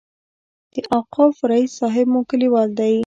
د اوقافو رئیس صاحب مو کلیوال دی.